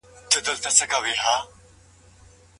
په بې فکره کار تاوان وي